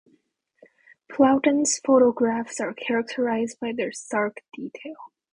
Plowden's photographs are characterized by their stark detail.